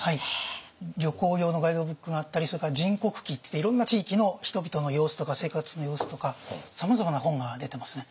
旅行用のガイドブックがあったりそれから「人国記」っていっていろんな地域の人々の様子とか生活の様子とかさまざまな本が出てますね。